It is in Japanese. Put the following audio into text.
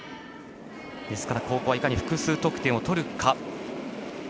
ですから後攻はいかに複数得点を取るか。